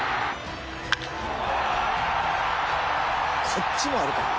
こっちもあるからね。